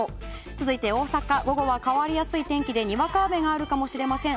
続いて大阪午後は変わりやすい天気でにわか雨があるかもしれません。